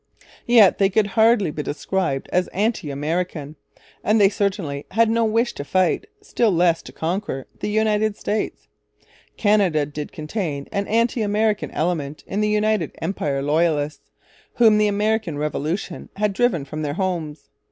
Yet they could hardly be described as anti American; and they certainly had no wish to fight, still less to conquer, the United States. Canada did contain an anti American element in the United Empire Loyalists, whom the American Revolution had driven from their homes.